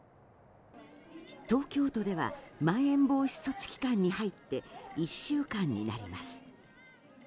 東京都ではまん延防止措置期間に入って１週間になります。